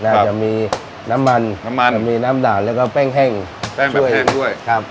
แล้วจะมีน้ำมันน้ำมันมีน้ำด่านแล้วก็แป้งแห้งแป้งตัวเองด้วยครับ